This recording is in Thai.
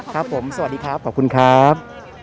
ครับผมสวัสดีครับขอบคุณครับ